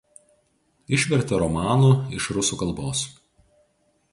Išvertė romanų iš rusų kalbos.